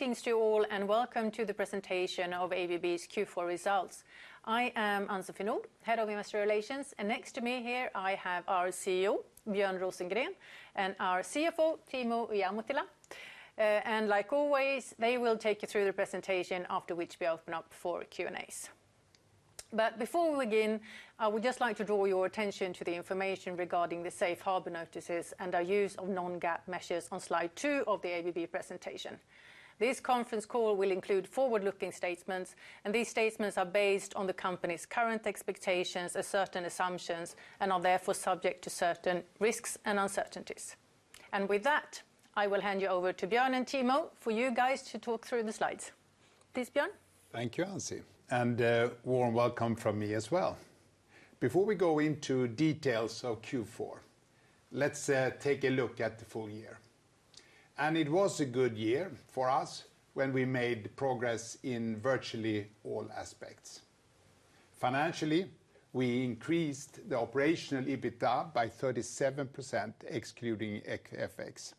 Greetings to you all, and welcome to the presentation of ABB's Q4 results. I am Ann-Sofie Nordh, Head of Investor Relations, and next to me here I have our CEO, Björn Rosengren, and our CFO, Timo Ihamuotila. Like always, they will take you through the presentation, after which we open up for Q&As. Before we begin, I would just like to draw your attention to the information regarding the safe harbor notices and our use of non-GAAP measures on Slide two of the ABB presentation. This conference call will include forward-looking statements, and these statements are based on the company's current expectations and certain assumptions and are therefore subject to certain risks and uncertainties. With that, I will hand you over to Björn and Timo for you guys to talk through the slides. Please, Björn. Thank you, Ann, and warm welcome from me as well. Before we go into details of Q4, let's take a look at the full-year. It was a good year for us when we made progress in virtually all aspects. Financially, we increased the Operational EBITDA by 37% excluding FX,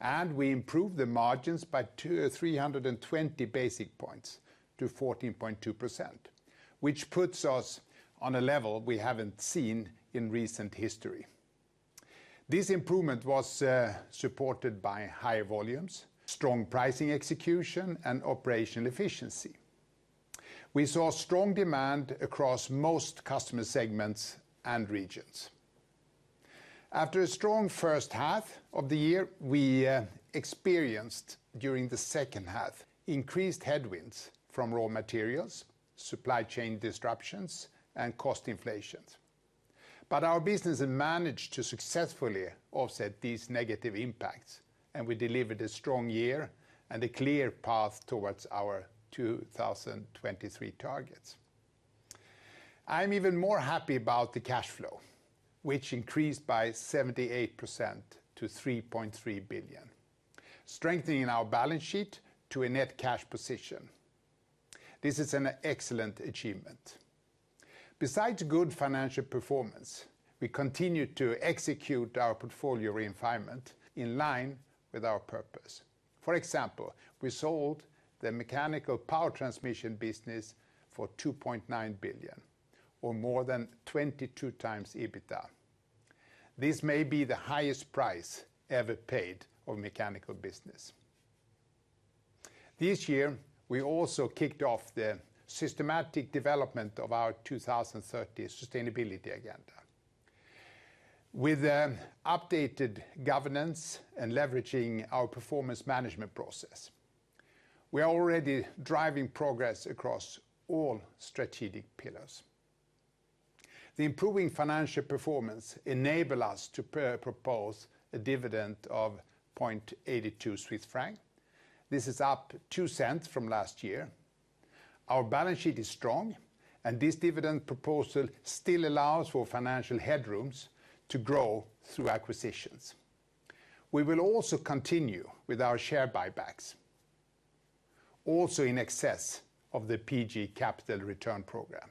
and we improved the margins by 320 basis points to 14.2%, which puts us on a level we haven't seen in recent history. This improvement was supported by high volumes, strong pricing execution, and operational efficiency. We saw strong demand across most customer segments and regions. After a strong first half of the year, we experienced during the second half increased headwinds from raw materials, supply chain disruptions, and cost inflations, but our business had managed to successfully offset these negative impacts, and we delivered a strong year and a clear path towards our 2023 targets. I'm even more happy about the cash flow, which increased by 78% to $3.3 billion, strengthening our balance sheet to a net cash position. This is an excellent achievement. Besides good financial performance, we continued to execute our portfolio refinement in line with our purpose. For example, we sold the Mechanical Power Transmission business for $2.9 billion, or more than 22x EBITDA. This may be the highest price ever paid on Mechanical business. This year, we also kicked off the systematic development of our 2030 sustainability agenda. With an updated governance and leveraging our performance management process, we are already driving progress across all strategic pillars. The improving financial performance enable us to propose a dividend of 0.82 Swiss franc. This is up 2 cents from last year. Our balance sheet is strong, and this dividend proposal still allows for financial headrooms to grow through acquisitions. We will also continue with our share buybacks, also in excess of the PG Capital return program.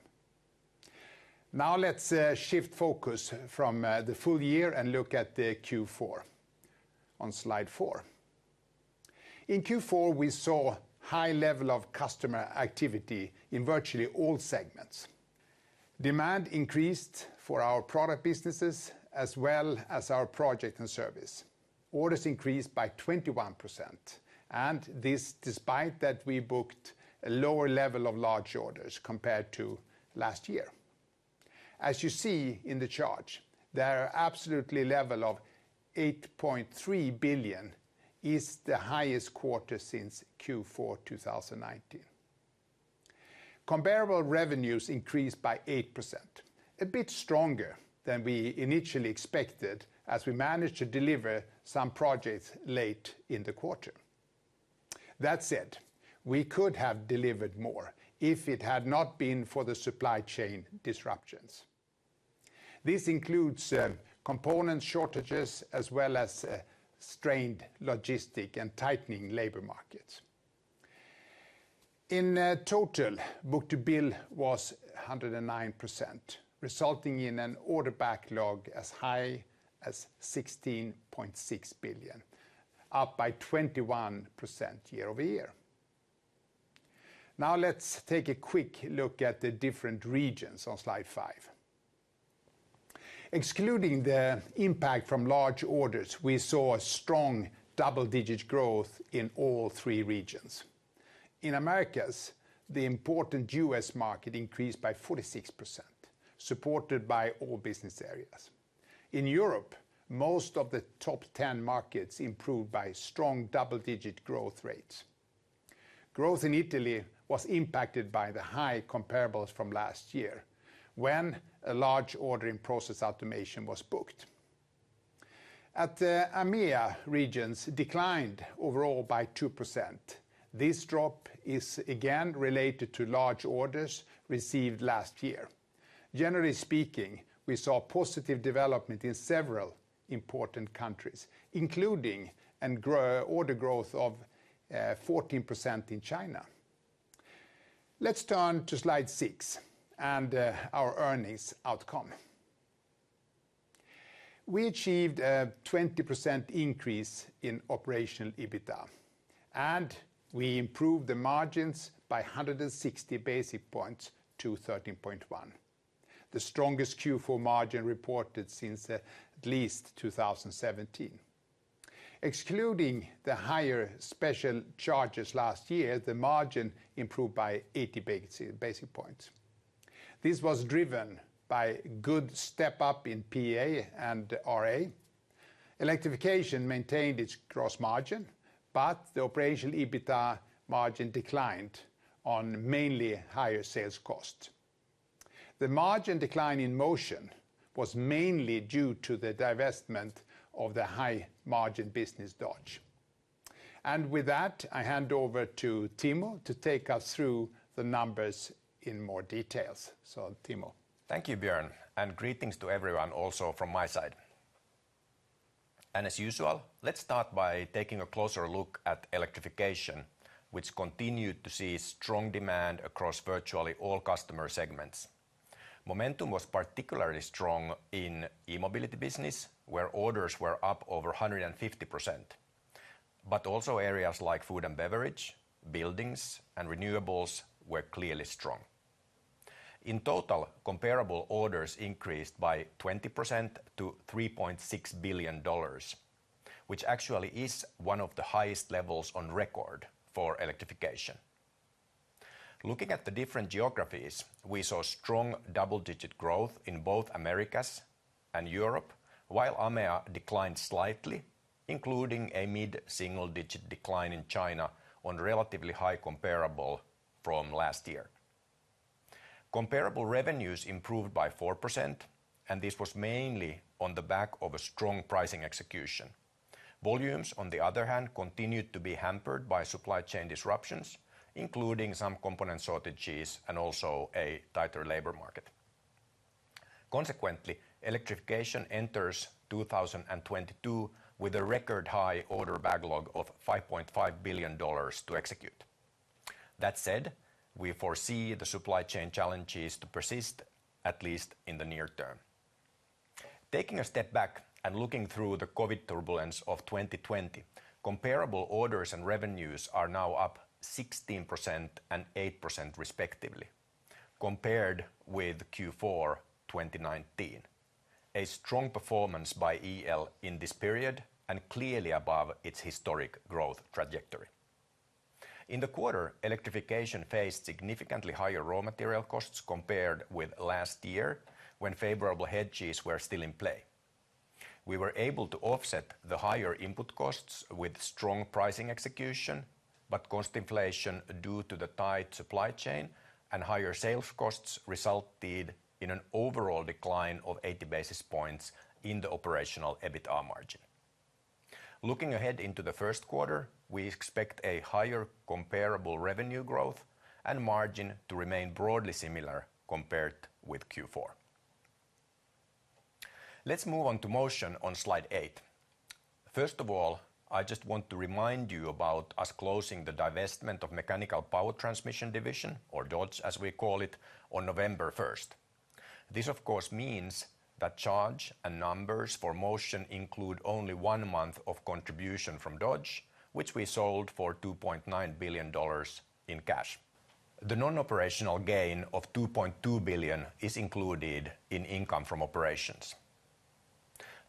Now let's shift focus from the full-year and look at the Q4 on Slide four. In Q4, we saw high level of customer activity in virtually all segments. Demand increased for our product businesses as well as our project and service. Orders increased by 21%, and this despite that we booked a lower level of large orders compared to last year. As you see in the chart, the absolute level of $8.3 billion is the highest quarter since Q4 2019. Comparable revenues increased by 8%, a bit stronger than we initially expected as we managed to deliver some projects late in the quarter. That said, we could have delivered more if it had not been for the supply chain disruptions. This includes component shortages as well as strained logistics and tightening labor markets. In total, book-to-bill was 109%, resulting in an order backlog as high as $16.6 billion, up by 21% year-over-year. Now let's take a quick look at the different regions on Slide 5. Excluding the impact from large orders, we saw a strong double-digit growth in all three regions. In Americas, the important U.S. market increased by 46%, supported by all business areas. In Europe, most of the top ten markets improved by strong double-digit growth rates. Growth in Italy was impacted by the high comparables from last year when a large order in Process Automation was booked. At AMEA, regions declined overall by 2%. This drop is again related to large orders received last year. Generally speaking, we saw positive development in several important countries, including order growth of 14% in China. Let's turn to Slide six and our earnings outcome. We achieved a 20% increase in operational EBITDA, and we improved the margins by 160 basis points to 13.1%. The strongest Q4 margin reported since at least 2017. Excluding the higher special charges last year, the margin improved by 80 basis points. This was driven by good step up in PA and RA. Electrification maintained its gross margin, but the Operational EBITDA margin declined due to mainly higher sales cost. The margin decline in Motion was mainly due to the divestment of the high margin business Dodge. With that, I hand over to Timo to take us through the numbers in more details. Timo. Thank you, Björn, and greetings to everyone also from my side. As usual, let's start by taking a closer look at Electrification, which continued to see strong demand across virtually all customer segments. Momentum was particularly strong in E-mobility business, where orders were up over 150%. Also areas like food and beverage, buildings, and renewables were clearly strong. In total, comparable orders increased by 20% to $3.6 billion, which actually is one of the highest levels on record for Electrification. Looking at the different geographies, we saw strong double-digit growth in both Americas and Europe, while AMEA declined slightly, including a mid-single-digit decline in China on relatively high comparable from last year. Comparable revenues improved by 4%, and this was mainly on the back of a strong pricing execution. Volumes, on the other hand, continued to be hampered by supply chain disruptions, including some component shortages and also a tighter labor market. Consequently, Electrification enters 2022 with a record high order backlog of $5.5 billion to execute. That said, we foresee the supply chain challenges to persist at least in the near term. Taking a step back and looking through the COVID turbulence of 2020, comparable orders and revenues are now up 16% and 8% respectively compared with Q4 2019. A strong performance by EL in this period, clearly above its historic growth trajectory. In the quarter, Electrification faced significantly higher raw material costs compared with last year when favorable hedges were still in play. We were able to offset the higher input costs with strong pricing execution, but cost inflation due to the tight supply chain and higher sales costs resulted in an overall decline of 80 basis points in the Operational EBITDA margin. Looking ahead into the first quarter, we expect a higher comparable revenue growth and margin to remain broadly similar compared with Q4. Let's move on to Motion on slide eight. First of all, I just want to remind you about us closing the divestment of Mechanical Power Transmission division or Dodge, as we call it, on November 1st. This of course means that charges and numbers for Motion include only one month of contribution from Dodge, which we sold for $2.9 billion in cash. The non-operational gain of $2.2 billion is included in income from operations.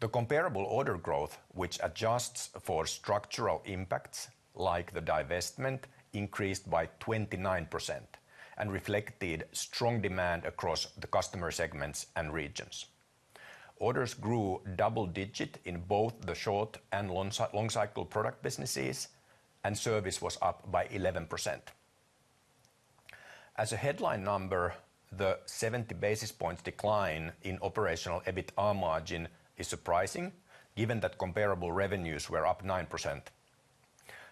The comparable order growth, which adjusts for structural impacts like the divestment, increased by 29% and reflected strong demand across the customer segments and regions. Orders grew double-digit in both the short and long cycle product businesses, and service was up by 11%. As a headline number, the 70 basis points decline in Operational EBITDA margin is surprising, given that comparable revenues were up 9%.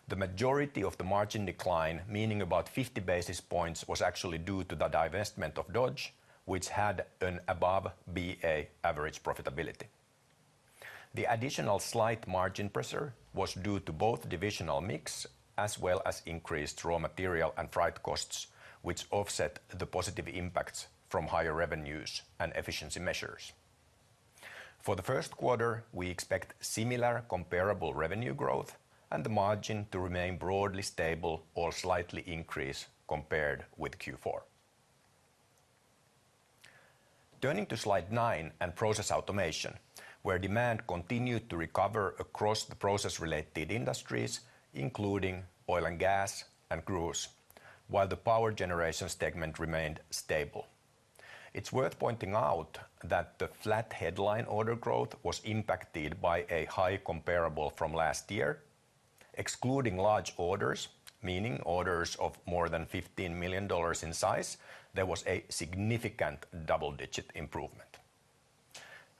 The majority of the margin decline, meaning about 50 basis points, was actually due to the divestment of Dodge, which had an above average profitability. The additional slight margin pressure was due to both divisional mix as well as increased raw material and freight costs, which offset the positive impacts from higher revenues and efficiency measures. For the first quarter, we expect similar comparable revenue growth and the margin to remain broadly stable or slightly increase compared with Q4. Turning to Slide nine and Process Automation, where demand continued to recover across the process-related industries, including oil and gas and cruise, while the power generation segment remained stable. It's worth pointing out that the flat headline order growth was impacted by a high comparable from last year. Excluding large orders, meaning orders of more than $15 million in size, there was a significant double-digit improvement.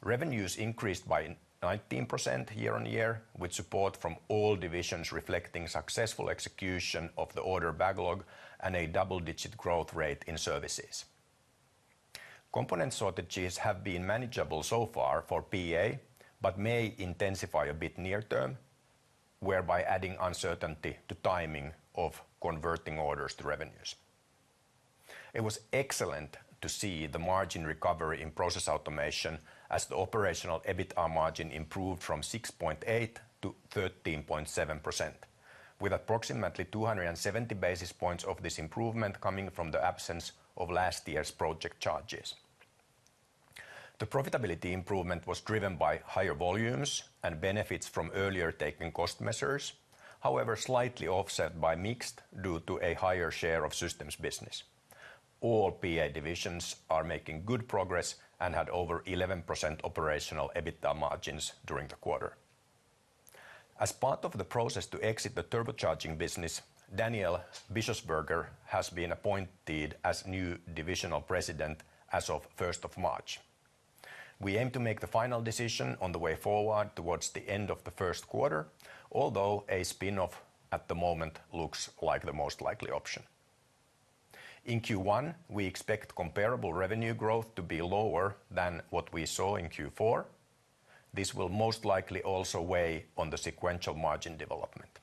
Revenues increased by 19% year-on-year, with support from all divisions reflecting successful execution of the order backlog and a double-digit growth rate in services. Component shortages have been manageable so far for PA, but may intensify a bit near term, whereby adding uncertainty to timing of converting orders to revenues. It was excellent to see the margin recovery in Process Automation as the Operational EBITDA margin improved from 6.8% to 13.7%, with approximately 270 basis points of this improvement coming from the absence of last year's project charges. The profitability improvement was driven by higher volumes and benefits from earlier taken cost measures, however slightly offset by mix due to a higher share of systems business. All PA divisions are making good progress and had over 11% Operational EBITDA margins during the quarter. As part of the process to exit the turbocharging business, Daniela Wüest has been appointed as new divisional president as of first of March. We aim to make the final decision on the way forward towards the end of the first quarter, although a spin-off at the moment looks like the most likely option. In Q1, we expect comparable revenue growth to be lower than what we saw in Q4. This will most likely also weigh on the sequential margin development.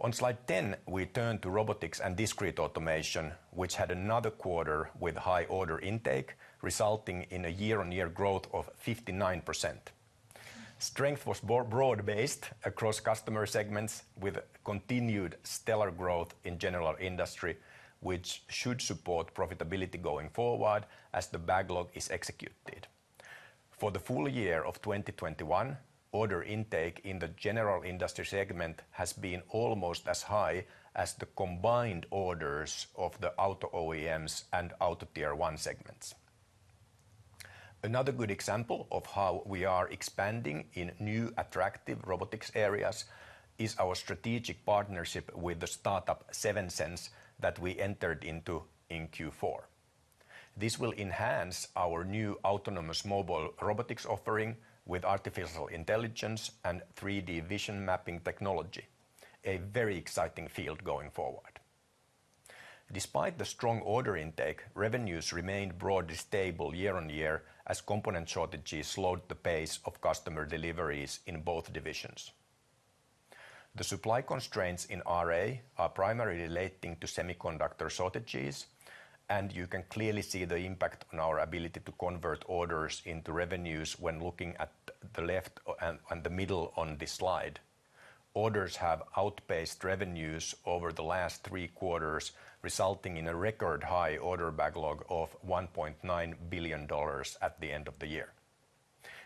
On slide 10, we turn to Robotics & Discrete Automation, which had another quarter with high order intake, resulting in a year-on-year growth of 59%. Strength was broad-based across customer segments with continued stellar growth in general industry, which should support profitability going forward as the backlog is executed. For the full-year of 2021, order intake in the general industry segment has been almost as high as the combined orders of the auto OEMs and auto tier one segments. Another good example of how we are expanding in new attractive robotics areas is our strategic partnership with the startup Sevensense that we entered into in Q4. This will enhance our new autonomous mobile robotics offering with artificial intelligence and 3D vision mapping technology, a very exciting field going forward. Despite the strong order intake, revenues remained broadly stable year-on-year as component shortages slowed the pace of customer deliveries in both divisions. The supply constraints in RA are primarily relating to semiconductor shortages, and you can clearly see the impact on our ability to convert orders into revenues when looking at the left and the middle on this slide. Orders have outpaced revenues over the last three quarters, resulting in a record high order backlog of $1.9 billion at the end of the year.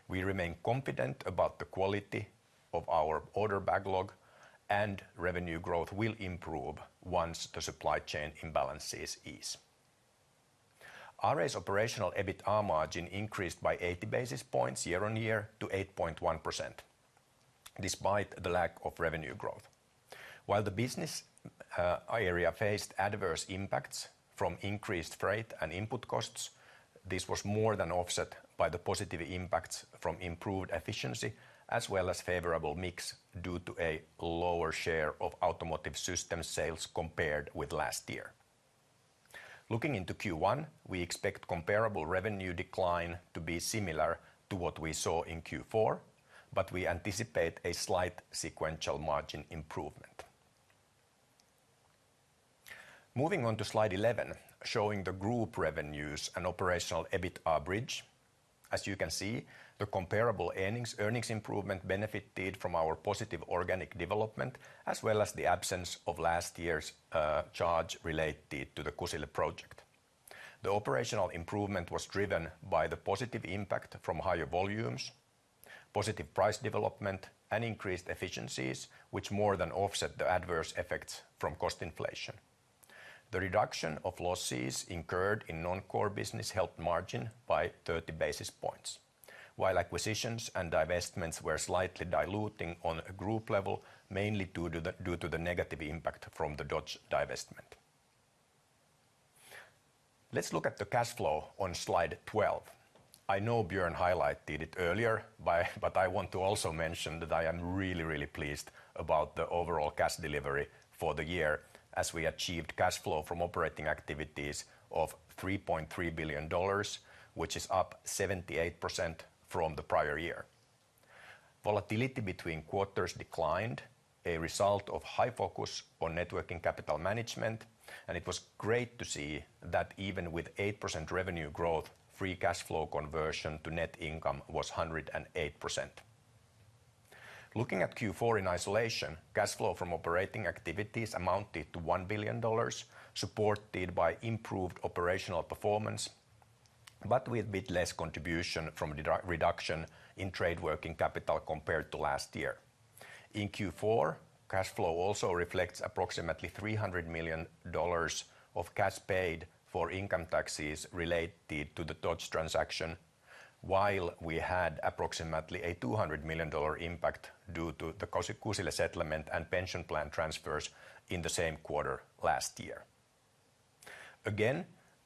We remain confident about the quality of our order backlog and revenue growth will improve once the supply chain imbalances ease. RA's Operational EBITDA margin increased by 80 basis points year-over-year to 8.1% despite the lack of revenue growth. While the business area faced adverse impacts from increased freight and input costs, this was more than offset by the positive impacts from improved efficiency as well as favorable mix due to a lower share of automotive systems sales compared with last year. Looking into Q1, we expect comparable revenue decline to be similar to what we saw in Q4, but we anticipate a slight sequential margin improvement. Moving on to slide 11, showing the group revenues and Operational EBITDA bridge. As you can see, the comparable earnings improvement benefited from our positive organic development, as well as the absence of last year's charge related to the Kusile project. The operational improvement was driven by the positive impact from higher volumes, positive price development, and increased efficiencies, which more than offset the adverse effects from cost inflation. The reduction of losses incurred in non-core business helped margin by 30 basis points, while acquisitions and divestments were slightly diluting on a group level, mainly due to the negative impact from the Dodge divestment. Let's look at the cash flow on slide 12. I know Björn highlighted it earlier, but I want to also mention that I am really, really pleased about the overall cash delivery for the year as we achieved cash flow from operating activities of $3.3 billion, which is up 78% from the prior year. Volatility between quarters declined, a result of high focus on net working capital management, and it was great to see that even with 8% revenue growth, free cash flow conversion to net income was 108%. Looking at Q4 in isolation, cash flow from operating activities amounted to $1 billion, supported by improved operational performance, but with a bit less contribution from the reduction in trade working capital compared to last year. In Q4, cash flow also reflects approximately $300 million of cash paid for income taxes related to the Dodge transaction, while we had approximately $200 million impact due to the Kusile settlement and pension plan transfers in the same quarter last year.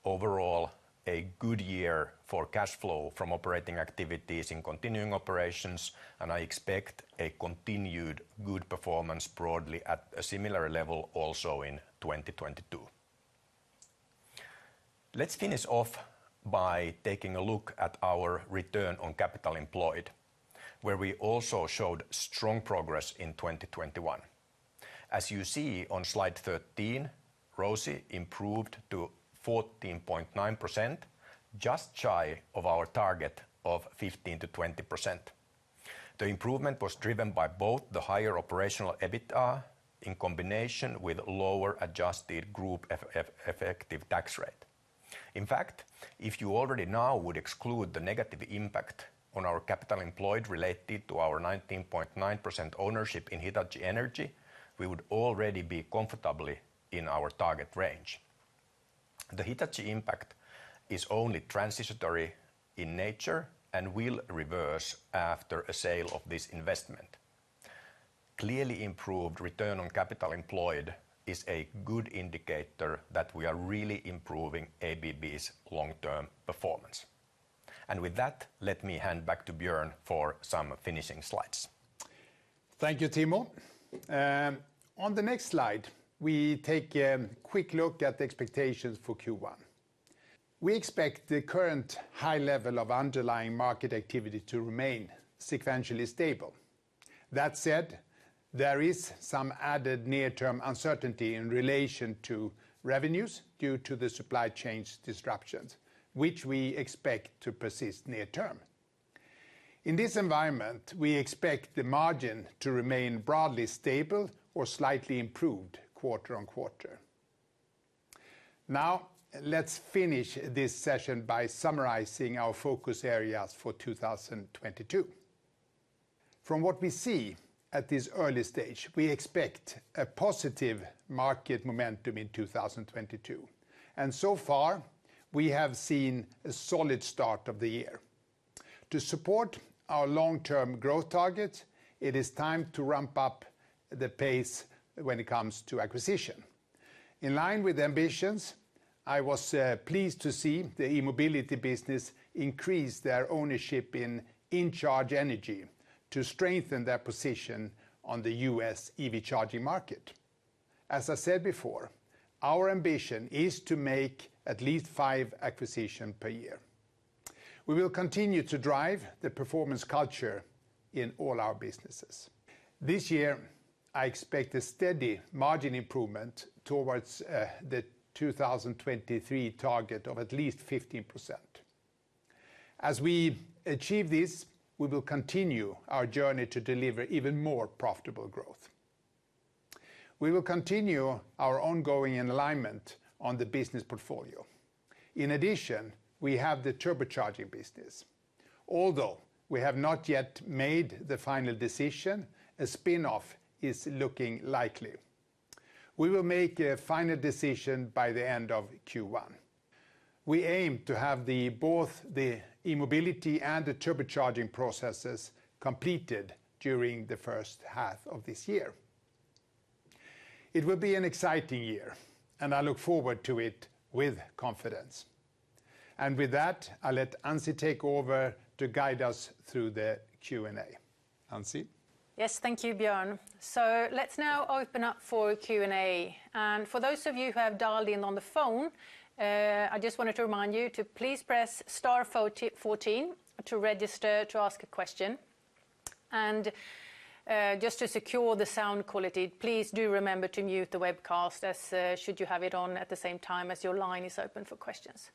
Overall, a good year for cash flow from operating activities in continuing operations, and I expect a continued good performance broadly at a similar level also in 2022. Let's finish off by taking a look at our return on capital employed, where we also showed strong progress in 2021. As you see on slide 13, ROCE improved to 14.9%, just shy of our target of 15%-20%. The improvement was driven by both the higher operational EBITDA in combination with lower adjusted group effective tax rate. In fact, if you already now would exclude the negative impact on our capital employed related to our 19.9% ownership in Hitachi Energy, we would already be comfortably in our target range. The Hitachi impact is only transitory in nature and will reverse after a sale of this investment. Clearly improved return on capital employed is a good indicator that we are really improving ABB's long-term performance. With that, let me hand back to Björn for some finishing slides. Thank you, Timo. On the next slide, we take a quick look at the expectations for Q1. We expect the current high level of underlying market activity to remain sequentially stable. That said, there is some added near-term uncertainty in relation to revenues due to the supply chain disruptions, which we expect to persist near term. In this environment, we expect the margin to remain broadly stable or slightly improved quarter-over-quarter. Now, let's finish this session by summarizing our focus areas for 2022. From what we see at this early stage, we expect a positive market momentum in 2022, and so far, we have seen a solid start of the year. To support our long-term growth targets, it is time to ramp up the pace when it comes to acquisition. In line with ambitions, I was pleased to see the E-mobility business increase their ownership in InCharge Energy to strengthen their position on the U.S. EV charging market. As I said before, our ambition is to make at least five acquisition per year. We will continue to drive the performance culture in all our businesses. This year, I expect a steady margin improvement towards the 2023 target of at least 15%. As we achieve this, we will continue our journey to deliver even more profitable growth. We will continue our ongoing alignment on the business portfolio. In addition, we have the Turbocharging business. Although we have not yet made the final decision, a spin-off is looking likely. We will make a final decision by the end of Q1. We aim to have both the E-mobility and the Turbocharging processes completed during the first half of this year. It will be an exciting year, and I look forward to it with confidence. With that, I'll let Ann-Sofie Nordh take over to guide us through the Q&A. Ann-Sofie Nordh? Yes, thank you, Björn. Let's now open up for Q&A. For those of you who have dialed in on the phone, I just wanted to remind you to please press star 41 to register to ask a question. Just to secure the sound quality, please do remember to mute the webcast as should you have it on at the same time as your line is open for questions.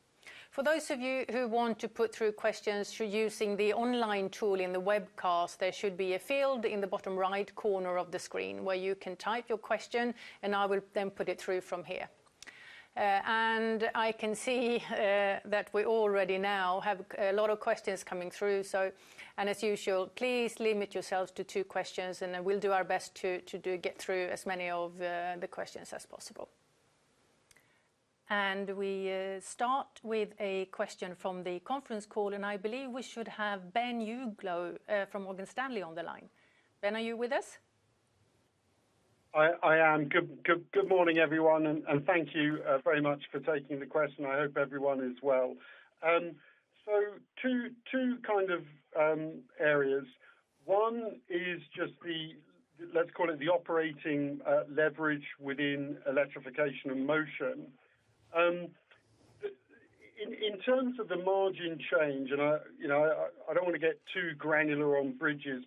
For those of you who want to put through questions through using the online tool in the webcast, there should be a field in the bottom right corner of the screen where you can type your question, and I will then put it through from here. I can see that we already now have a lot of questions coming through. As usual, please limit yourselves to two questions, and we'll do our best to get through as many of the questions as possible. We start with a question from the conference call, and I believe we should have Ben Uglow from Morgan Stanley on the line. Ben, are you with us? I am. Good morning, everyone, and thank you very much for taking the question. I hope everyone is well. So two kind of areas. One is just, let's call it, the operating leverage within Electrification and Motion. In terms of the margin change, and you know, I don't want to get too granular on bridges,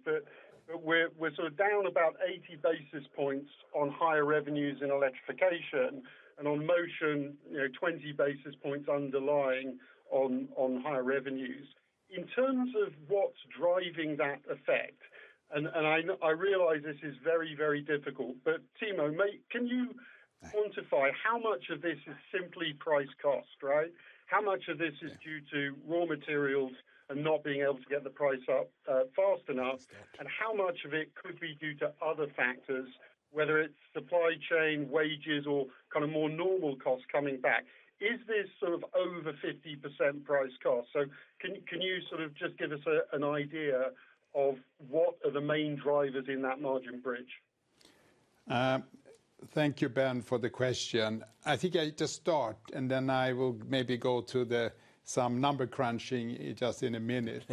but we're sort of down about 80 basis points on higher revenues in Electrification and on Motion, you know, 20 basis points underlying on higher revenues. In terms of what's driving that effect, and I realize this is very, very difficult, but Timo, can you quantify how much of this is simply price cost, right? How much of this is due to raw materials and not being able to get the price up, fast enough? Yes. How much of it could be due to other factors, whether it's supply chain, wages, or kind of more normal costs coming back? Is this sort of over 50% price cost? Can you sort of just give us an idea of what are the main drivers in that margin bridge? Thank you, Ben, for the question. I think I just start, and then I will maybe go to do some number crunching just in a minute.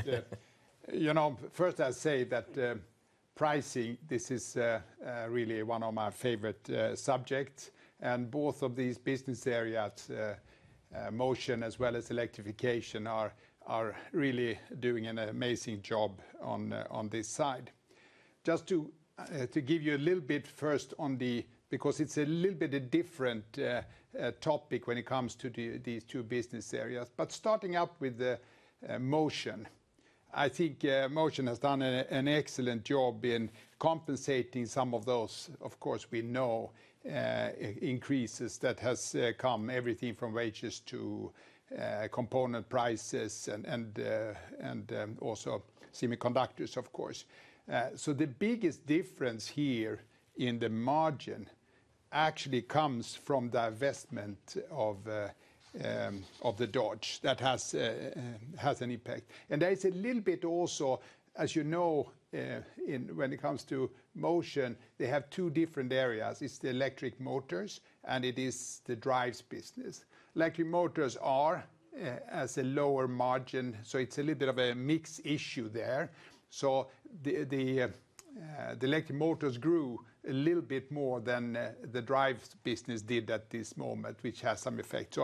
You know, first I say that, pricing, this is really one of my favorite subjects, and both of these business areas, Motion as well as Electrification, are really doing an amazing job on this side. Just to give you a little bit first. Because it's a little bit different topic when it comes to these two business areas. Starting out with Motion. I think Motion has done an excellent job in compensating some of those. Of course, we know increases that has come, everything from wages to component prices and also semiconductors, of course. The biggest difference here in the margin actually comes from the investment of the Dodge that has an impact. There is a little bit also, as you know, when it comes to Motion, they have two different areas. It's the electric motors, and it is the drives business. Electric motors are as a lower margin, so it's a little bit of a mix issue there. The electric motors grew a little bit more than the drives business did at this moment, which has some effect.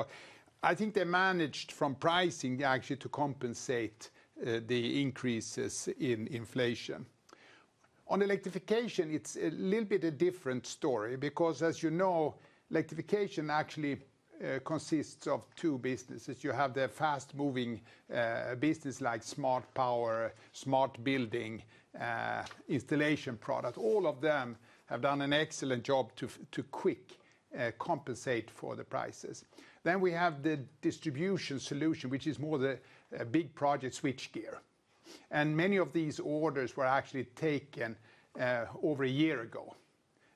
I think they managed from pricing actually to compensate the increases in inflation. On Electrification, it's a little bit a different story because as you know, Electrification actually consists of two businesses. You have the fast-moving business like Smart Power, Smart Buildings, Installation Products. All of them have done an excellent job to quickly compensate for the prices. We have the Distribution Solutions, which is more the big project switchgear. Many of these orders were actually taken over a year ago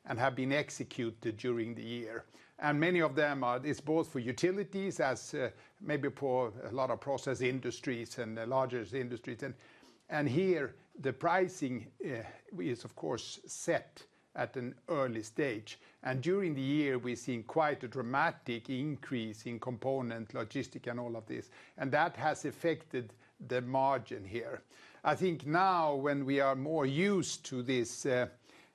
and have been executed during the year. Many of them are both for utilities as maybe for a lot of process industries and the largest industries. Here the pricing is of course set at an early stage. During the year we've seen quite a dramatic increase in component logistics and all of this, and that has affected the margin here. I think now when we are more used to this,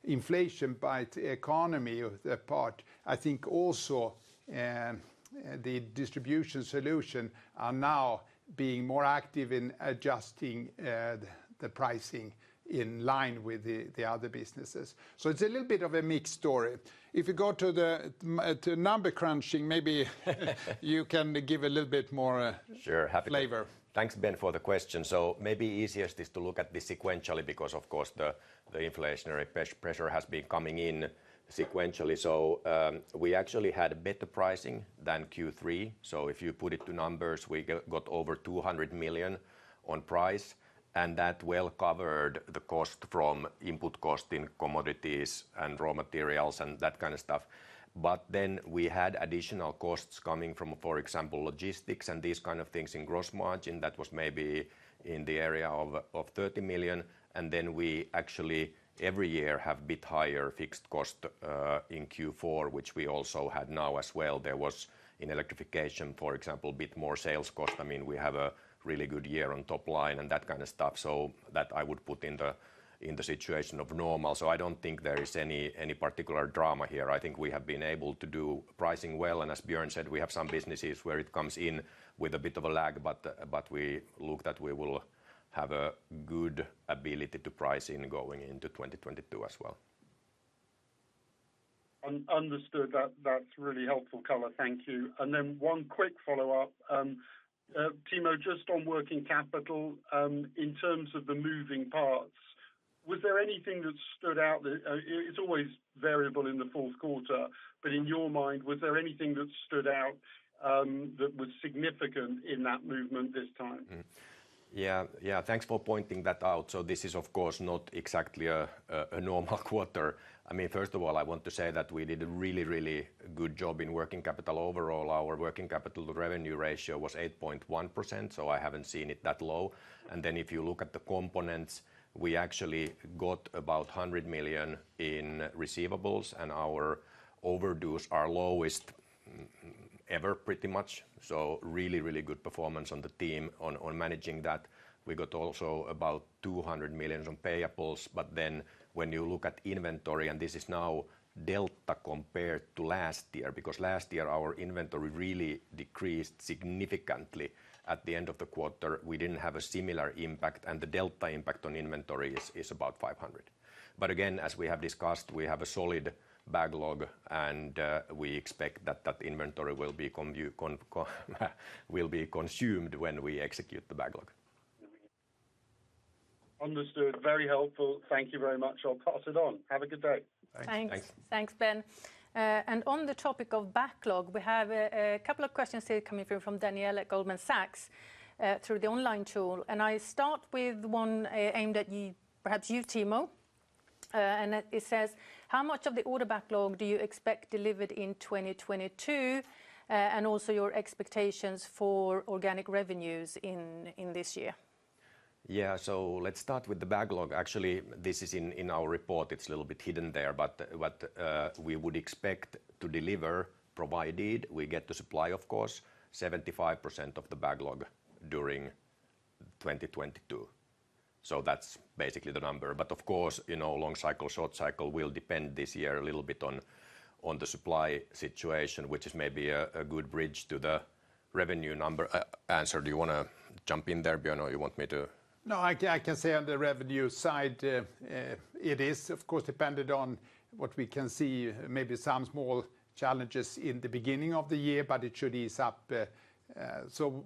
inflation by the economy of the part, I think also, the Distribution Solutions are now being more active in adjusting, the pricing in line with the other businesses. It's a little bit of a mixed story. If you go to number crunching, maybe you can give a little bit more. Sure. Happy to. -flavor. Thanks, Ben, for the question. Maybe easiest is to look at this sequentially because of course the inflationary pressure has been coming in sequentially. We actually had better pricing than Q3, so if you put it to numbers, we got over $200 million on price, and that well covered the cost from input cost in commodities and raw materials and that kind of stuff. Then we had additional costs coming from, for example, logistics and these kind of things in gross margin that was maybe in the area of $30 million. Then we actually every year have a bit higher fixed cost in Q4, which we also had now as well. There was in Electrification, for example, a bit more sales cost. I mean, we have a really good year on top line and that kind of stuff. That I would put in the situation of normal. I don't think there is any particular drama here. I think we have been able to do pricing well, and as Björn said, we have some businesses where it comes in with a bit of a lag, but we look that we will have a good ability to price in going into 2022 as well. Understood that. That's really helpful color. Thank you. One quick follow-up, Timo, just on working capital, in terms of the moving parts, was there anything that stood out that it's always variable in the fourth quarter, but in your mind, was there anything that stood out that was significant in that movement this time? Yeah. Thanks for pointing that out. This is of course not exactly a normal quarter. I mean, first of all, I want to say that we did a really, really good job in working capital. Overall, our working capital to revenue ratio was 8.1%, so I haven't seen it that low. Then if you look at the components, we actually got about $100 million in receivables, and our overdues are lowest ever, pretty much. Really, really good performance on the team on managing that. We got also about $200 million on payables. Then when you look at inventory, and this is now delta compared to last year, because last year our inventory really decreased significantly at the end of the quarter. We didn't have a similar impact, and the delta impact on inventory is about $500. Again, as we have discussed, we have a solid backlog, and we expect that inventory will be consumed when we execute the backlog. Understood. Very helpful. Thank you very much. I'll pass it on. Have a good day. Thanks. Thanks. Thanks, Ben. On the topic of backlog, we have a couple of questions here coming through from Daniela at Goldman Sachs through the online tool. I start with one aimed at you, perhaps you, Timo. It says, how much of the order backlog do you expect delivered in 2022? And also your expectations for organic revenues in this year. Yeah. Let's start with the backlog. Actually, this is in our report. It's a little bit hidden there about what we would expect to deliver, provided we get the supply, of course, 75% of the backlog during 2022. That's basically the number. Of course, you know, long cycle, short cycle will depend this year a little bit on the supply situation, which is maybe a good bridge to the revenue number. Anssi, do you wanna jump in there, Björn, or you want me to? No, I can say on the revenue side, it is of course dependent on what we can see, maybe some small challenges in the beginning of the year, but it should ease up.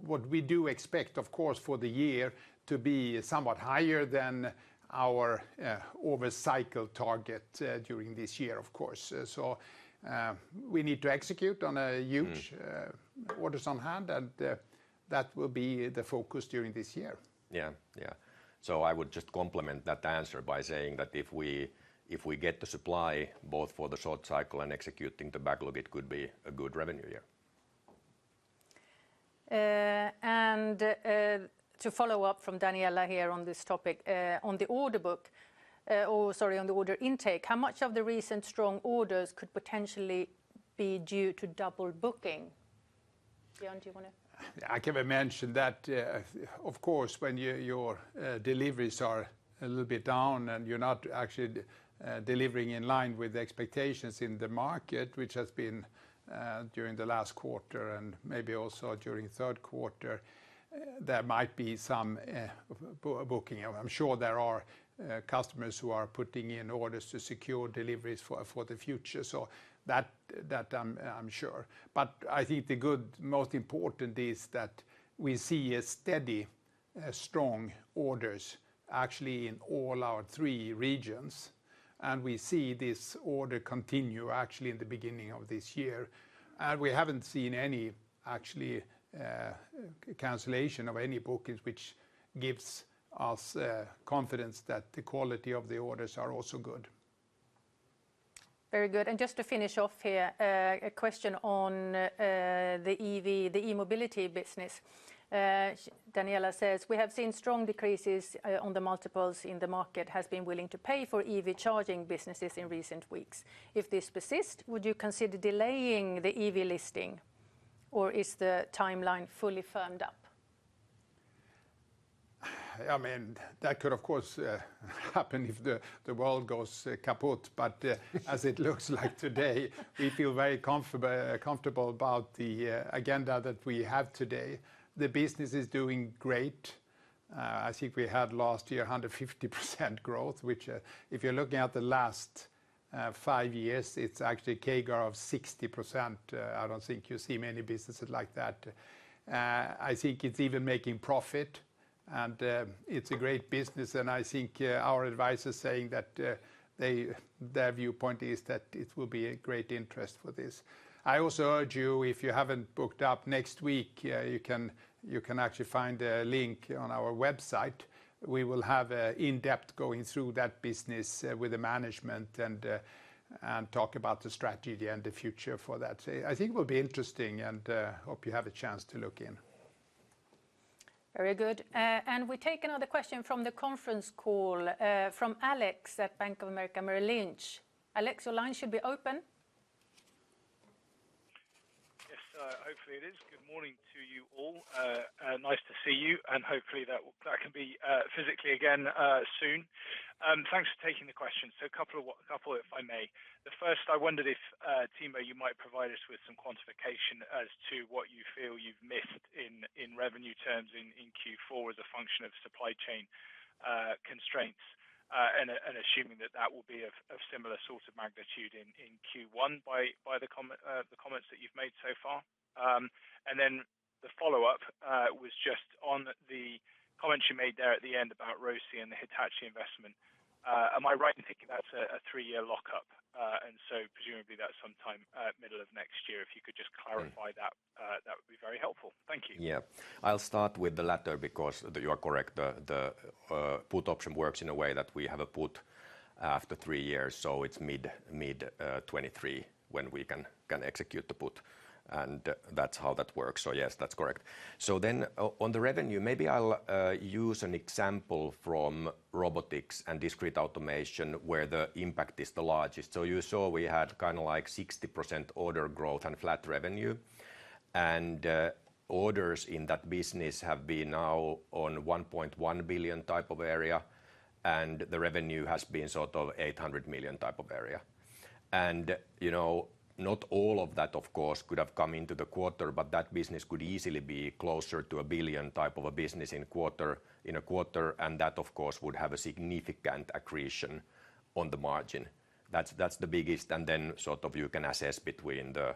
What we do expect, of course, for the year to be somewhat higher than our over cycle target during this year, of course. We need to execute on a huge- Mm. Orders on hand, and that will be the focus during this year. Yeah. I would just complement that answer by saying that if we get the supply both for the short cycle and executing the backlog, it could be a good revenue year. To follow up from Daniela here on this topic, on the order intake, how much of the recent strong orders could potentially be due to double booking? Björn, do you wanna? I can mention that, of course, when your deliveries are a little bit down and you're not actually delivering in line with the expectations in the market, which has been during the last quarter and maybe also during third quarter, there might be some booking. I'm sure there are customers who are putting in orders to secure deliveries for the future. That, I'm sure. I think the good most important is that we see a steady strong orders actually in all our three regions, and we see this order continue actually in the beginning of this year. We haven't seen any, actually, cancellation of any bookings, which gives us confidence that the quality of the orders are also good. Very good. Just to finish off here, a question on the EV, the E-mobility business. Daniela says, "We have seen strong decreases in the multiples that the market has been willing to pay for EV charging businesses in recent weeks. If this persist, would you consider delaying the EV listing, or is the timeline fully firmed up? I mean, that could, of course, happen if the world goes kaput. As it looks like today, we feel very comfortable about the agenda that we have today. The business is doing great. I think we had last year 150% growth, which, if you're looking at the last five years, it's actually CAGR of 60%. I don't think you see many businesses like that. I think it's even making profit and it's a great business and I think our advisors saying that their viewpoint is that it will be a great interest for this. I also urge you, if you haven't booked up next week, you can actually find a link on our website. We will have an in-depth going through that business with the management and talk about the strategy and the future for that. I think it will be interesting and I hope you have a chance to look in. Very good. We take another question from the conference call from Alex at Bank of America Merrill Lynch. Alex, your line should be open. Yes, hopefully it is. Good morning to you all. Nice to see you and hopefully that can be physically again soon. Thanks for taking the question. A couple if I may. The first, I wondered if Timo, you might provide us with some quantification as to what you feel you've missed in revenue terms in Q4 as a function of supply chain constraints, assuming that that will be of similar sort of magnitude in Q1 by the comments that you've made so far. The follow-up was just on the comment you made there at the end about ROCE and the Hitachi investment. Am I right in thinking that's a three-year lockup? Presumably that's sometime middle of next year. If you could just clarify that? Mm that would be very helpful. Thank you. Yeah. I'll start with the latter because you are correct. The put option works in a way that we have a put after three years, so it's mid-2023 when we can execute the put, and that's how that works. Yes, that's correct. On the revenue, maybe I'll use an example from Robotics & Discrete Automation where the impact is the largest. You saw we had kind of like 60% order growth and flat revenue. Orders in that business have been now on $1.1 billion type of area, and the revenue has been sort of $800 million type of area. You know, not all of that, of course, could have come into the quarter, but that business could easily be closer to a $1 billion type of a business in a quarter, and that, of course, would have a significant accretion on the margin. That's the biggest. Then sort of you can assess between the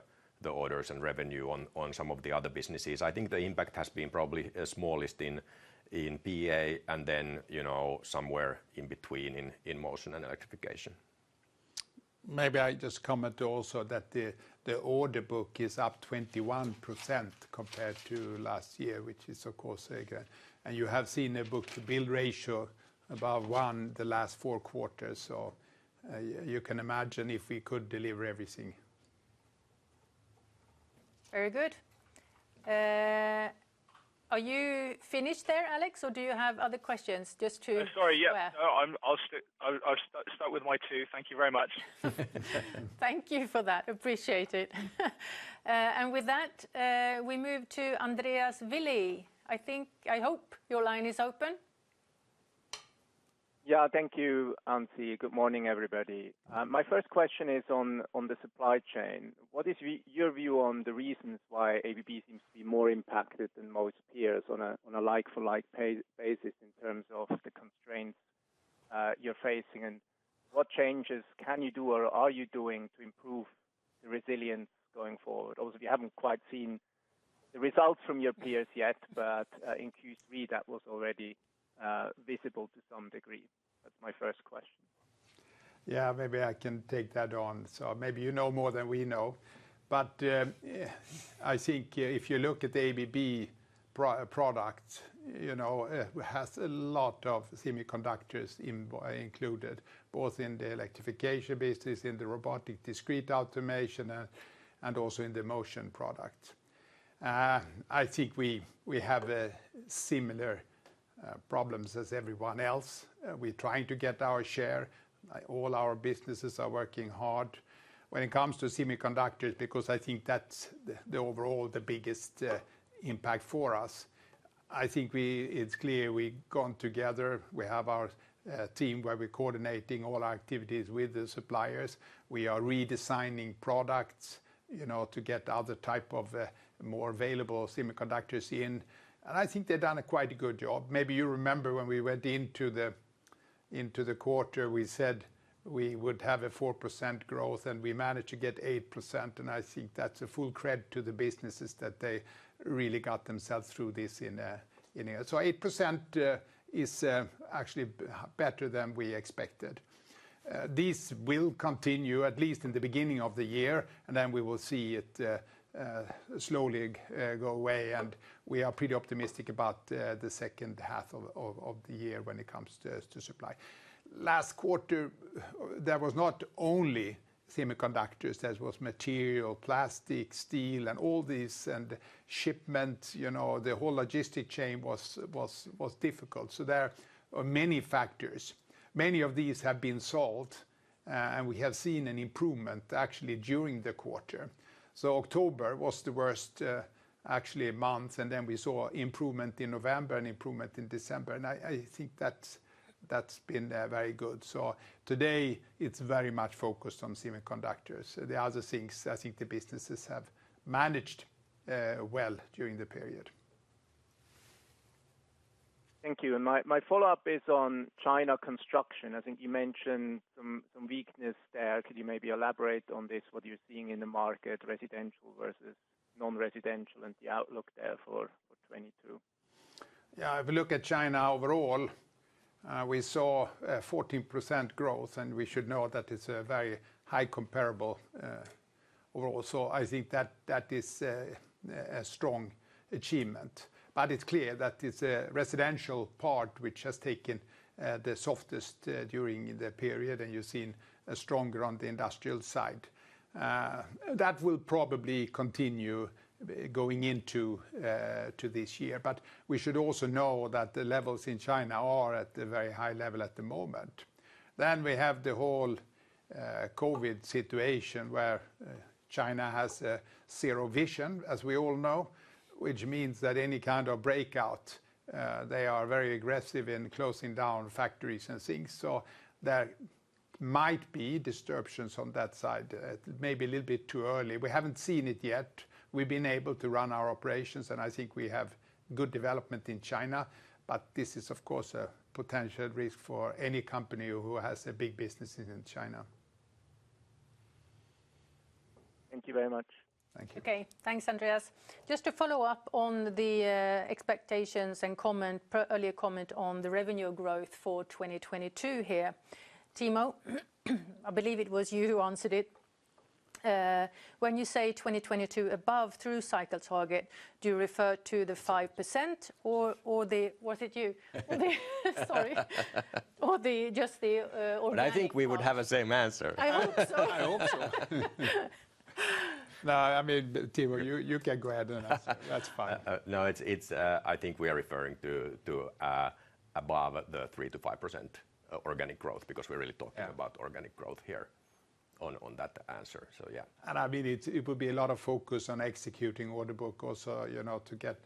orders and revenue on some of the other businesses. I think the impact has been probably smallest in PA and then, you know, somewhere in between in Motion and Electrification. Maybe I just comment also that the order book is up 21% compared to last year, which is of course, you have seen a book-to-bill ratio above one the last four quarters. You can imagine if we could deliver everything. Very good. Are you finished there, Alex, or do you have other questions? Oh, sorry, yeah. No, I'll start with my two. Thank you very much. Thank you for that. Appreciate it. With that, we move to Andreas Willi. I think, I hope your line is open. Yeah. Thank you, Ann-Sofie Nordh. Good morning, everybody. My first question is on the supply chain. What is your view on the reasons why ABB seems to be more impacted than most peers on a like-for-like basis in terms of the constraints you're facing? And what changes can you do, or are you doing to improve the resilience going forward? Obviously you haven't quite seen the results from your peers yet, but in Q3 that was already visible to some degree. That's my first question. Yeah, maybe I can take that on. Maybe you know more than we know. I think if you look at the ABB portfolio, you know, it has a lot of semiconductors included, both in the Electrification business, in the Robotics & Discrete Automation, and also in the Motion. I think we have similar problems as everyone else. We're trying to get our share. All our businesses are working hard. When it comes to semiconductors, because I think that's the overall biggest impact for us, I think it's clear we've gone together. We have our team where we're coordinating all our activities with the suppliers. We are redesigning products, you know, to get other type of more available semiconductors in, and I think they've done a quite good job. Maybe you remember when we went into the quarter, we said we would have a 4% growth, and we managed to get 8%, and I think that's full credit to the businesses that they really got themselves through this. 8% is actually better than we expected. This will continue at least in the beginning of the year, and then we will see it slowly go away, and we are pretty optimistic about the second half of the year when it comes to supply. Last quarter, there was not only semiconductors, there was material, plastic, steel and all this and shipment. You know, the whole logistics chain was difficult. There are many factors. Many of these have been solved, and we have seen an improvement actually during the quarter. October was the worst actual month, and then we saw improvement in November and improvement in December, and I think that's been very good. Today it's very much focused on semiconductors. The other things, I think the businesses have managed well during the period. Thank you. My follow-up is on China construction. I think you mentioned some weakness there. Could you maybe elaborate on this, what you're seeing in the market, residential versus non-residential and the outlook there for 2022? Yeah. If you look at China overall, we saw 14% growth, and we should know that it's a very high comparable overall. I think that is a strong achievement. It's clear that it's a residential part which has taken the softest during the period, and you're seeing a stronger on the industrial side. That will probably continue going into this year. We should also know that the levels in China are at a very high level at the moment. We have the whole COVID situation where China has a zero-COVID, as we all know, which means that any kind of breakout they are very aggressive in closing down factories and things. There might be disruptions on that side. Maybe a little bit too early. We haven't seen it yet. We've been able to run our operations, and I think we have good development in China. This is of course a potential risk for any company who has a big businesses in China. Thank you very much. Thank you. Okay. Thanks, Andreas. Just to follow up on the expectations and earlier comment on the revenue growth for 2022 here. Timo, I believe it was you who answered it. When you say 2022 above through cycle target, do you refer to the 5% or the. Was it you? Sorry. Or just the organic- I think we would have the same answer. I hope so. I hope so. No, I mean, Timo, you can go ahead and answer. That's fine. No, I think we are referring to above the 3%-5% organic growth, because we're really talking about organic growth here on that answer. Yeah. I mean, it would be a lot of focus on executing order book also, you know, to get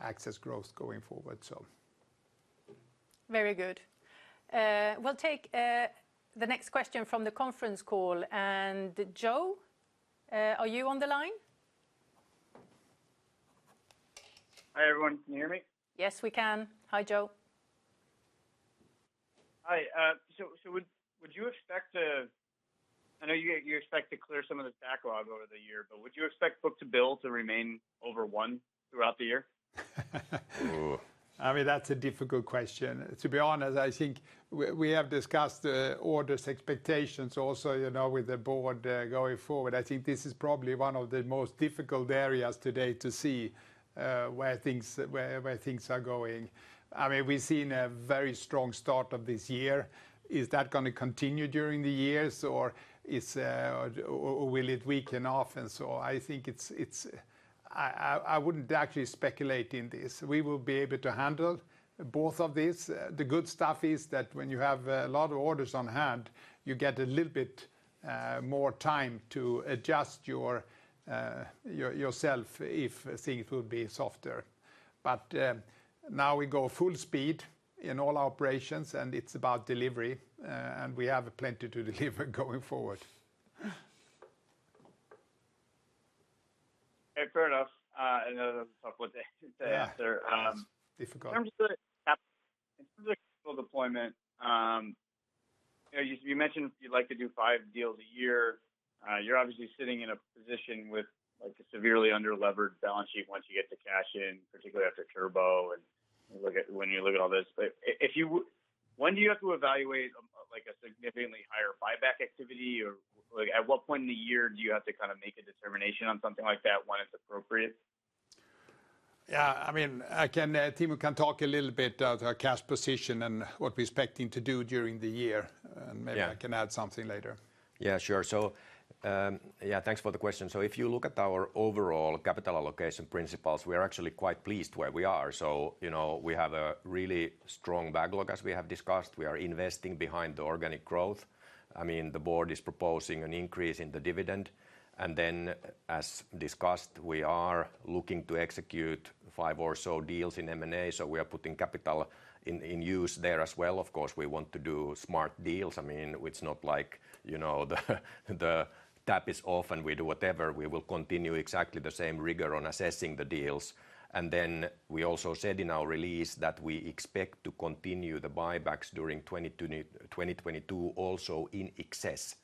access growth going forward, so. Very good. We'll take the next question from the conference call. Joe, are you on the line? Hi, everyone. Can you hear me? Yes, we can. Hi, Joe. Hi. I know you expect to clear some of the backlog over the year, but would you expect book-to-bill to remain over 1 throughout the year? Ooh. I mean, that's a difficult question. To be honest, I think we have discussed orders expectations also, you know, with the board going forward. I think this is probably one of the most difficult areas today to see where things are going. I mean, we've seen a very strong start of this year. Is that gonna continue during the years, or will it weaken off? I think it's. I wouldn't actually speculate in this. We will be able to handle both of these. The good stuff is that when you have a lot of orders on hand, you get a little bit more time to adjust yourself if things will be softer. Now we go full speed in all our operations, and it's about delivery, and we have plenty to deliver going forward. Hey, fair enough. I know that's a tough one to answer. Yeah, difficult. in terms of capital deployment, you know, you mentioned you'd like to do five deals a year. You're obviously sitting in a position with, like, a severely under-levered balance sheet once you get the cash in, particularly after Turbo and when you look at all this. If you, when do you have to evaluate a, like, significantly higher buyback activity? Like, at what point in the year do you have to kind of make a determination on something like that, when it's appropriate? Yeah, I mean, Timo can talk a little bit of our cash position and what we're expecting to do during the year. Yeah. Maybe I can add something later. Thanks for the question. If you look at our overall capital allocation principles, we are actually quite pleased where we are. You know, we have a really strong backlog as we have discussed. We are investing behind the organic growth. I mean, the board is proposing an increase in the dividend. As discussed, we are looking to execute five or so deals in M&A, so we are putting capital in use there as well. Of course, we want to do smart deals. I mean, it's not like, you know, the tap is off and we do whatever. We will continue exactly the same rigor on assessing the deals. We also said in our release that we expect to continue the buybacks during 2022 also in excess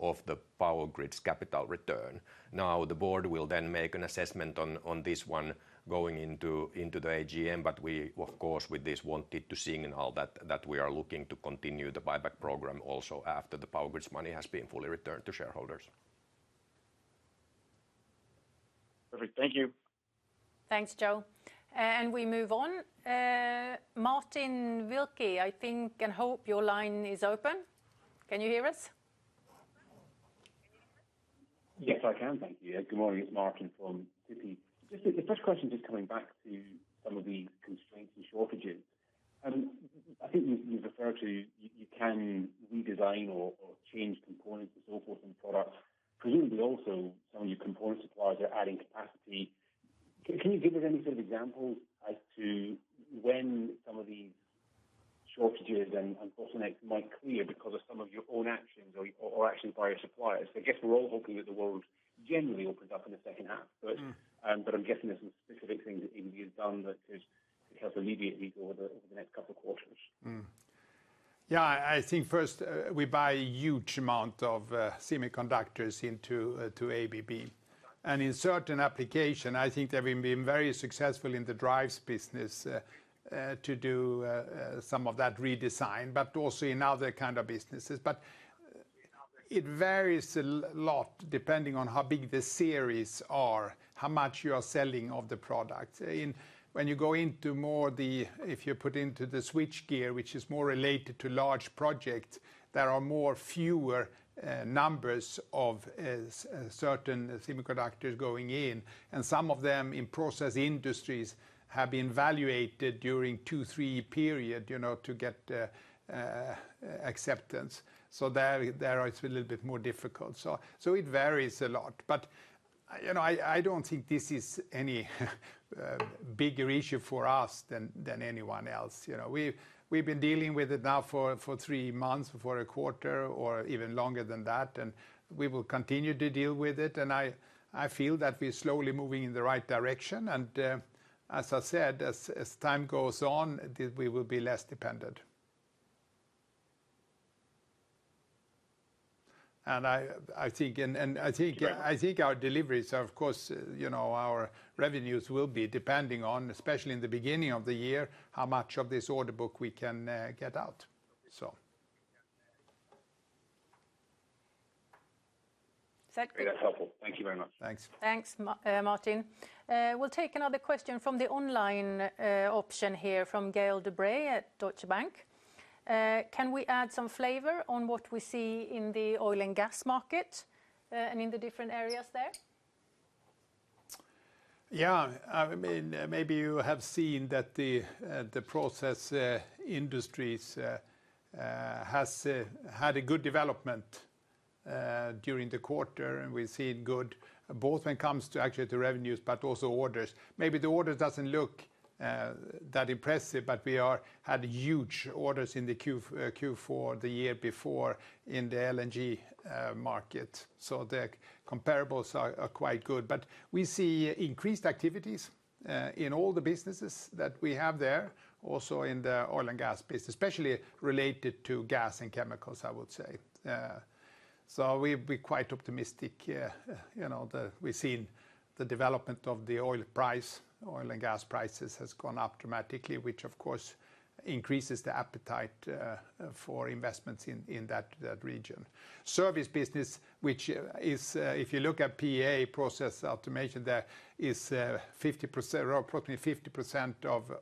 of the Power Grids's capital return. Now, the board will then make an assessment on this one going into the AGM. We, of course, with this wanted to signal that we are looking to continue the buyback program also after the Power Grids's money has been fully returned to shareholders. Perfect. Thank you. Thanks, Joe. We move on. Martin Wilkie, I think and hope your line is open. Can you hear us? Yes, I can. Thank you. Good morning. It's Martin from Citi. Just the first question, just coming back to some of the constraints and shortages. I think you referred to you can redesign or change components and so forth in products. Presumably also some of your component suppliers are adding capacity. Can you give us any sort of examples as to when some of these shortages and bottlenecks might clear because of some of your own actions or actions by your suppliers? I guess we're all hoping that the world generally opens up in the second half. Mm. I'm guessing there's some specific things that you've done that helps immediately over the next couple of quarters. I think first, we buy a huge amount of semiconductors to ABB. In certain application, I think that we've been very successful in the drives business to do some of that redesign, but also in other kind of businesses. It varies a lot depending on how big the series are, how much you are selling of the product. When you go into more, if you put into the switchgear, which is more related to large projects, there are far fewer numbers of certain semiconductors going in, and some of them in process industries have been evaluated during a two- or three-year period, you know, to get acceptance. So there it's a little bit more difficult. So it varies a lot. You know, I don't think this is any bigger issue for us than anyone else. You know, we've been dealing with it now for three months, for a quarter or even longer than that, and we will continue to deal with it. I feel that we're slowly moving in the right direction. As I said, as time goes on, we will be less dependent. I think our deliveries are of course, you know, our revenues will be depending on, especially in the beginning of the year, how much of this order book we can get out. Sec- Great. That's helpful. Thank you very much. Thanks. Thanks, Martin. We'll take another question from the online option here from Gael de-Bray at Deutsche Bank. Can we add some flavor on what we see in the oil and gas market, and in the different areas there? Yeah, I mean, maybe you have seen that the process industries has had a good development during the quarter. We've seen good both when it comes to actually the revenues, but also orders. Maybe the orders doesn't look that impressive, but we had huge orders in the Q4 the year before in the LNG market. The comparables are quite good. We see increased activities in all the businesses that we have there, also in the oil and gas business, especially related to gas and chemicals, I would say. We're quite optimistic. You know, we've seen the development of the oil price. Oil and gas prices has gone up dramatically, which of course increases the appetite for investments in that region. Service business, which is, if you look at PA, Process Automation, there is 50% or approximately 50%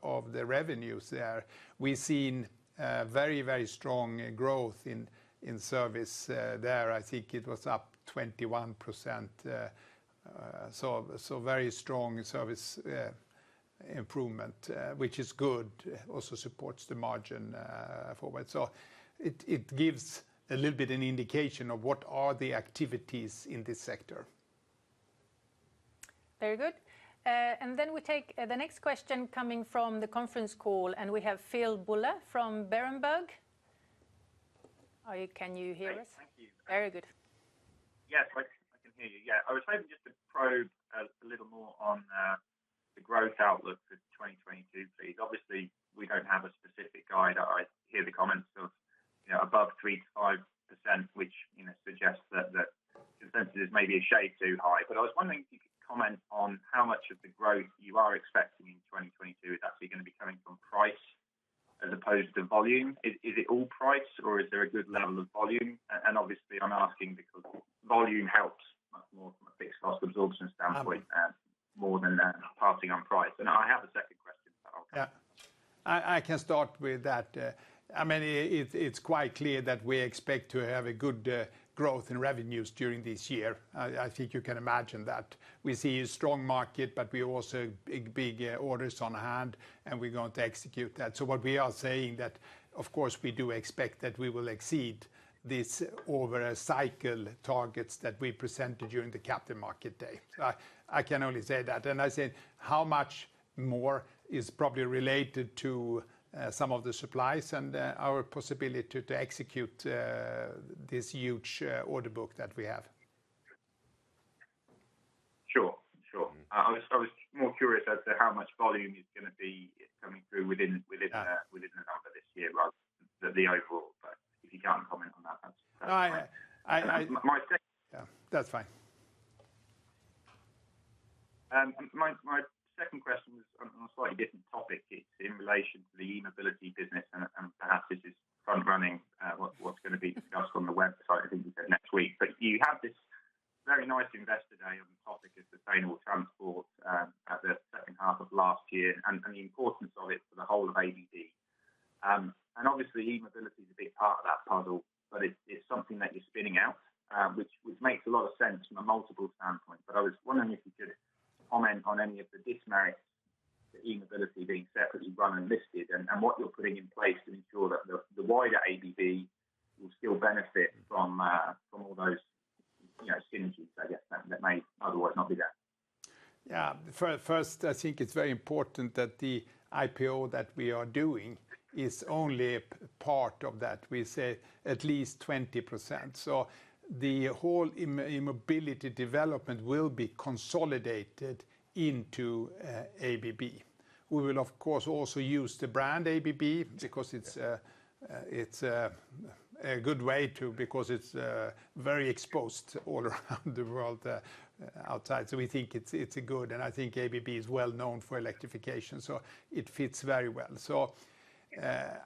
of the revenues there. We've seen very, very strong growth in service there. I think it was up 21%, so very strong service improvement, which is good, also supports the margin forward. It gives a little bit an indication of what are the activities in this sector. Very good. We take the next question coming from the conference call, and we have Philip Buller from Berenberg. Can you hear us? Great. Thank you. Very good. Yes, I can hear you. Yeah. I was hoping just to probe a little more on the growth outlook for 2022, please. Obviously, we don't have a specific guide. I hear the comments of, you know, above 3%-5%, which, you know, suggests that the consensus may be a shade too high. I was wondering if you could comment on how much of the growth you are expecting in 2022 is actually gonna be coming from price as opposed to volume. Is it all price, or is there a good level of volume? And obviously I'm asking because volume helps much more from a fixed cost absorption standpoint, more than passing on price. I have a second question. I'll- Yeah. I can start with that. I mean, it's quite clear that we expect to have a good growth in revenues during this year. I think you can imagine that. We see a strong market, but we also big orders on hand, and we're going to execute that. What we are saying that, of course, we do expect that we will exceed this over a cycle targets that we presented during the Capital Markets Day. I can only say that. I said how much more is probably related to some of the supplies and our possibility to execute this huge order book that we have. Sure. I was more curious as to how much volume is gonna be coming through within the number this year rather than the overall. First, I think it's very important that the IPO that we are doing is only a part of that. We say at least 20%. The whole E-mobility development will be consolidated into ABB. We will, of course, also use the brand ABB because it's a good way because it's very exposed all around the world outside. We think it's a good, and I think ABB is well known for Electrification, so it fits very well.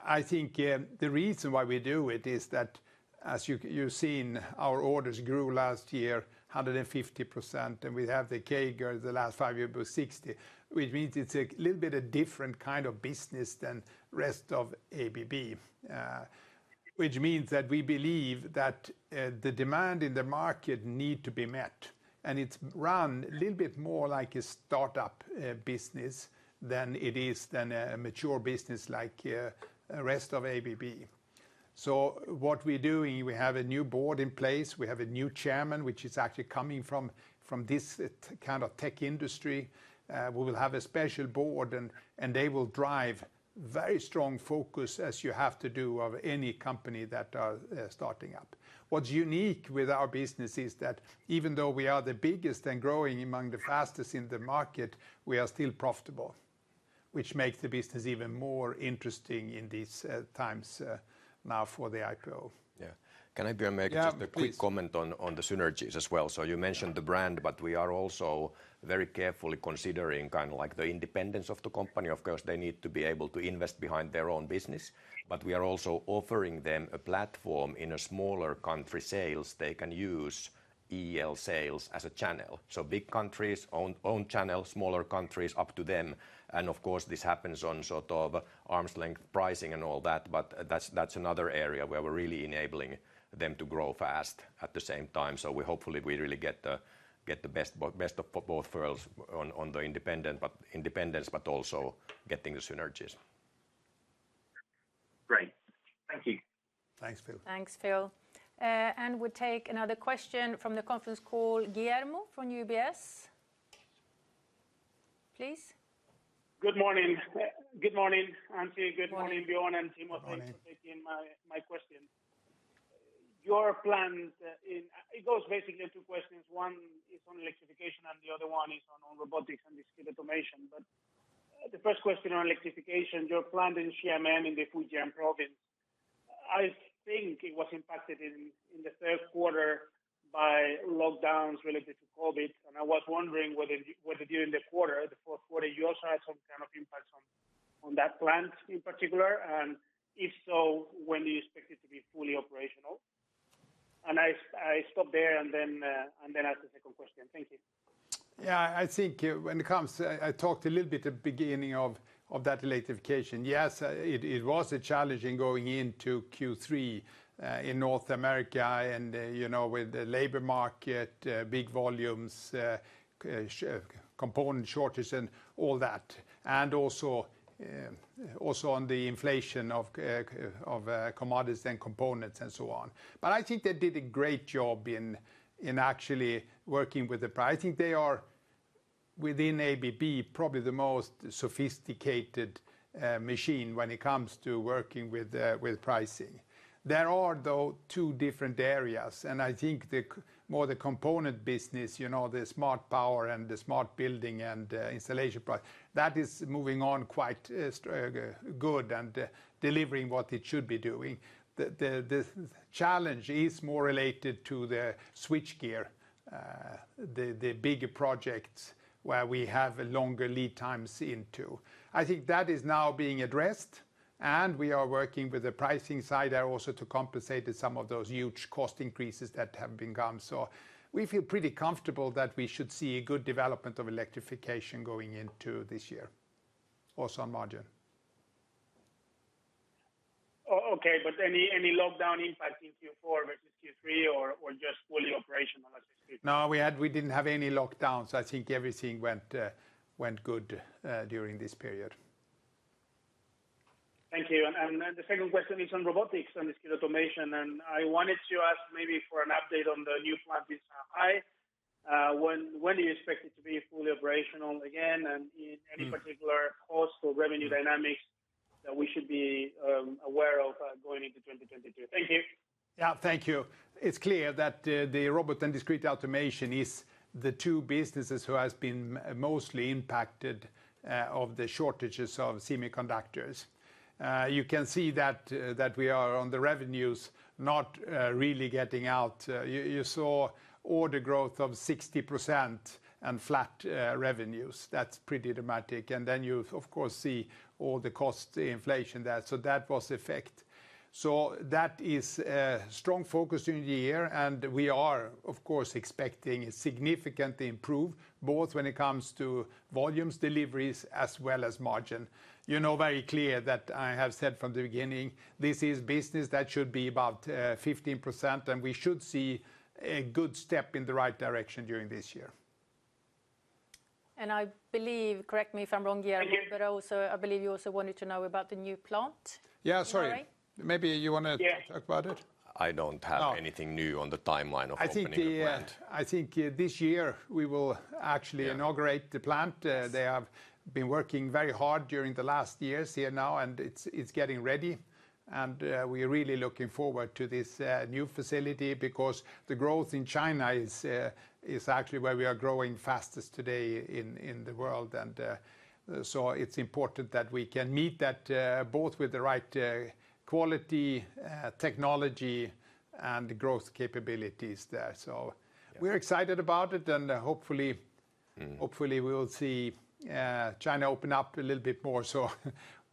I think the reason why we do it is that as you've seen our orders grew last year 150%, and we have the CAGR, the last five-year was 60, which means it's a little bit a different kind of business than rest of ABB. Which means that we believe that the demand in the market need to be met, and it's run a little bit more like a start-up business than it is a mature business like rest of ABB. What we do, we have a new board in place, we have a new chairman, which is actually coming from this kind of tech industry. We will have a special board and they will drive very strong focus, as you have to do of any company that are starting up. What's unique with our business is that even though we are the biggest and growing among the fastest in the market, we are still profitable, which makes the business even more interesting in these times now for the IPO. Yeah. Can I, Björn, make just- Yeah, please. A quick comment on the synergies as well? You mentioned the brand, but we are also very carefully considering kind of like the independence of the company. Of course, they need to be able to invest behind their own business, but we are also offering them a platform in a smaller country sales. They can use EL sales as a channel. Big countries, own channel, smaller countries, up to them. Of course, this happens on sort of arm's length pricing and all that, but that's another area where we're really enabling them to grow fast at the same time. We hopefully really get the best of both worlds on the independence, but also getting the synergies. Great. Thank you. Thanks, Phil. Thanks, Phil. We take another question from the conference call, Guillermo from UBS. Please. Good morning. Good morning, Ann-Sofie. Morning. Good morning, Björn and Timo. Morning Thanks for taking my question. Your plans, it goes basically two questions. One is on Electrification, and the other one is on Robotics & Discrete Automation. The first question on Electrification, your plan in Xiamen, in the Fujian Province, I think it was impacted in the third quarter by lockdowns related to COVID, and I was wondering whether during the fourth quarter, you also had some kind of impact on that plant in particular, and if so, when do you expect it to be fully operational? I stop there and then ask the second question. Thank you. Yeah, I think when it comes, I talked a little bit at the beginning of that Electrification. Yes, it was a challenge in going into Q3 in North America and, you know, with the labor market, big volumes, component shortage and all that. Also on the inflation of commodities and components and so on. But I think they did a great job in actually working with the pricing. I think they are within ABB, probably the most sophisticated machine when it comes to working with pricing. There are, though, two different areas, and I think the more the component business, you know, the Smart Power and the Smart Buildings and Installation Products, that is moving on quite strong and delivering what it should be doing. The challenge is more related to the switchgear, the bigger projects where we have longer lead times into. I think that is now being addressed, and we are working with the pricing side also to compensate some of those huge cost increases that have come. We feel pretty comfortable that we should see a good development of Electrification going into this year, also on margin. Okay, but any lockdown impact in Q4 versus Q3 or just fully operational as you said? No, we didn't have any lockdowns. I think everything went good during this period. Thank you. The second question is on Robotics & Discrete Automation. I wanted to ask maybe for an update on the new plant in Shanghai. When do you expect it to be fully operational again? Mm... any particular cost or revenue dynamics that we should be aware of going into 2022? Thank you. Yeah, thank you. It's clear that the Robotics and Discrete Automation is the two businesses who has been mostly impacted of the shortages of semiconductors. You can see that that we are on the revenues not really getting out. You saw order growth of 60% and flat revenues. That's pretty dramatic. Then you, of course, see all the cost inflation there. That was effect. That is a strong focus during the year, and we are, of course, expecting significant improve both when it comes to volumes deliveries as well as margin. You know very clear that I have said from the beginning, this is business that should be about 15%, and we should see a good step in the right direction during this year. I believe, correct me if I'm wrong here. Thank you. Also, I believe you also wanted to know about the new plant. Yeah, sorry. Sorry. Maybe you wanna- Yeah talk about it. I don't have anything new on the timeline of opening the plant. I think this year we will actually. Yeah Inaugurate the plant. They have been working very hard during the last years here now, and it's getting ready. We're really looking forward to this new facility because the growth in China is actually where we are growing fastest today in the world. It's important that we can meet that both with the right quality technology, and growth capabilities there. We're excited about it. Hopefully Mm. Hopefully, we will see China open up a little bit more, so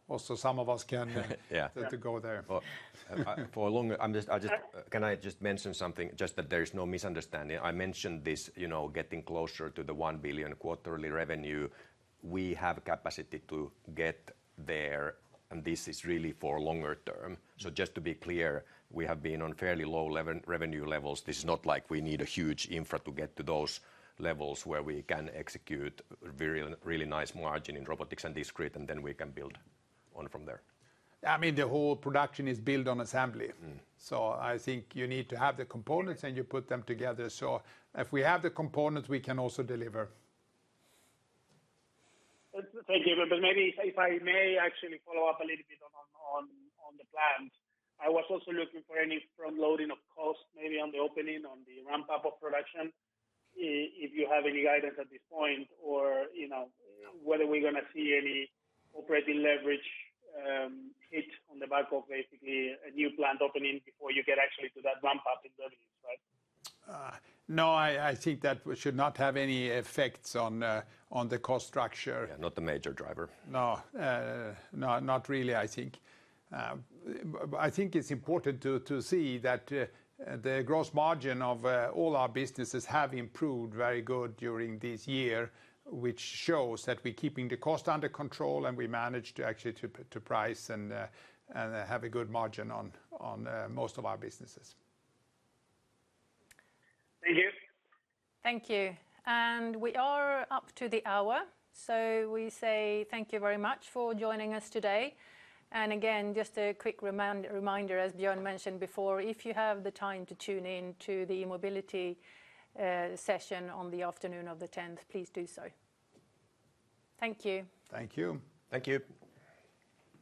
also some of us can Yeah to go there. Can I just mention something just that there is no misunderstanding? I mentioned this, you know, getting closer to the $1 billion quarterly revenue. We have capacity to get there, and this is really for longer- term. Just to be clear, we have been on fairly low level revenue levels. This is not like we need a huge infra to get to those levels where we can execute very, really nice margin in Robotics and Discrete, and then we can build on from there. I mean, the whole production is built on assembly. Mm. I think you need to have the components, and you put them together. If we have the components, we can also deliver. Thank you. Maybe if I may actually follow up a little bit on the plans. I was also looking for any front loading of cost, maybe on the opening, on the ramp-up of production, if you have any guidance at this point, or, you know, whether we're gonna see any operating leverage hit on the back of basically a new plant opening before you get actually to that ramp-up in revenues, right? No, I think that should not have any effects on the cost structure. Yeah, not the major driver. No, not really, I think. I think it's important to see that the gross margin of all our businesses have improved very good during this year, which shows that we're keeping the cost under control, and we managed actually to price and have a good margin on most of our businesses. Thank you. Thank you. We are up to the hour, so we say thank you very much for joining us today. Again, just a quick reminder, as Björn mentioned before, if you have the time to tune in to the mobility session on the afternoon of the tenth, please do so. Thank you. Thank you. Thank you.